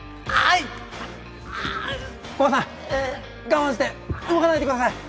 古賀さん、我慢して、動かないでください。